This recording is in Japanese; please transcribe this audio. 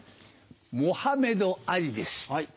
モハメド・アリです。